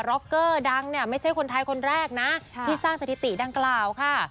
็อกเกอร์ดังเนี่ยไม่ใช่คนไทยคนแรกนะที่สร้างสถิติดังกล่าวค่ะ